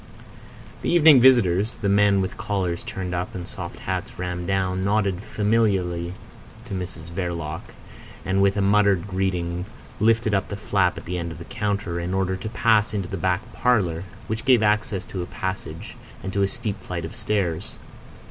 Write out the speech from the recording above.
The evening visitors—the men with collars turned up and soft hats rammed down—nodded familiarly to Mrs Verloc, and with a muttered greeting, lifted up the flap at the end of the counter in order to pass into the back parlour, which gave access to a passage and to a steep flight of stairs.